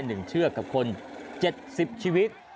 หนึ่งเชือกกับคน๗๐ชีวิต